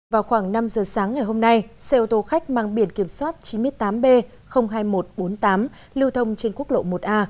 vào khoảng năm giờ sáng ngày hôm nay xe ô tô khách mang biển kiểm soát chín mươi tám b hai nghìn một trăm bốn mươi tám lưu thông trên quốc lộ một a